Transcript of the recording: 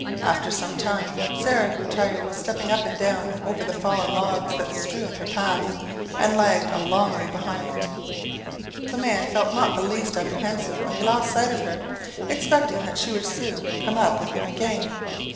After some time, Sarah grew tired with stepping up and down over the fallen logs that strewed their path, and lagged a long way behind. The man felt not the least apprehensive when he lost sight of her, expecting that she would soon come up with him again.